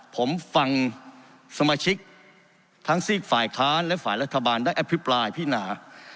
ผมฟังสมาชิกทั้งซีกฝ่ายค้านและฝ่ายรัฐบาลได้อภิปรายพินา